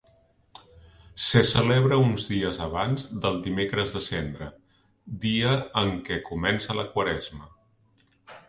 Se celebra uns dies abans del Dimecres de Cendra, dia en què comença la Quaresma.